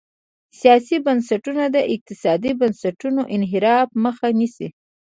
سیاسي بنسټونه د اقتصادي بنسټونو انحراف مخه نیسي.